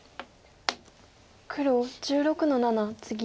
黒１６の七ツギ。